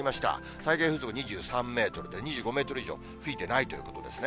最大風速２３メートルで、２５メートル以上吹いてないということですね。